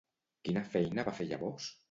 Quina feina va fer llavors?